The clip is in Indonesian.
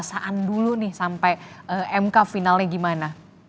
penguasaan dulu nih sampai mk finalnya gimana